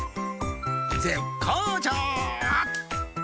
絶好調！